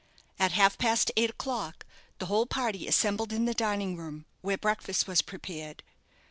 At half past eight o'clock the whole party assembled in the dining room, where breakfast was prepared.